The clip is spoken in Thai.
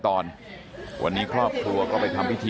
ตรของหอพักที่อยู่ในเหตุการณ์เมื่อวานนี้ตอนค่ำบอกให้ช่วยเรียกตำรวจให้หน่อย